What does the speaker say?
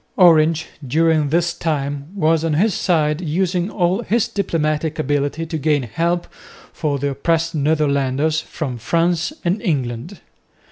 Orange during this time was on his side using all his diplomatic ability to gain help for the oppressed Netherlanders from France and England.